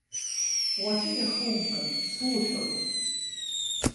Уаҵәы иахумган, суҳәоит.